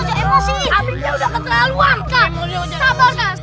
jadi ingat doda son